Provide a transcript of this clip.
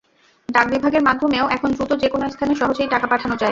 ডাক বিভাগের মাধ্যমেও এখন দ্রুত যেকোনো স্থানে সহজেই টাকা পাঠানো যায়।